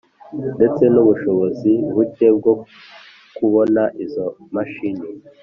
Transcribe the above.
Ndetse n ubushobozi buke bwo kubona izo mashini